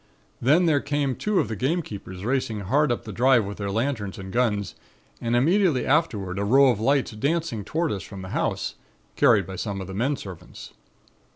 Then there came two of the game keepers racing hard up the drive with their lanterns and guns; and immediately afterward a row of lights dancing toward us from the house, carried by some of the men servants.